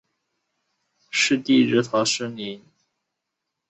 它们栖息在热带或亚热带的低地潮湿森林。